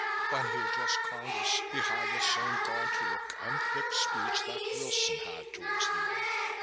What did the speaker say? When he addressed Congress, he had the same gaunt look and thick speech that Wilson had towards the end.